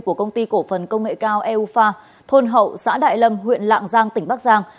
của công ty cổ phần công nghệ cao eua thôn hậu xã đại lâm huyện lạng giang tỉnh bắc giang